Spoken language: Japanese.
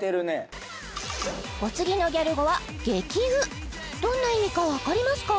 お次のギャル語はどんな意味かわかりますか？